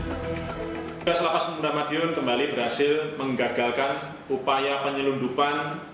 petugas lapas pemuda madiun kembali berhasil menggagalkan upaya penyelundupan